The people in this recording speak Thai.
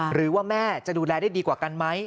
หรือว่าแม่จะดูแลได้ดีกว่ากันไหม